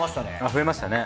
増えましたね。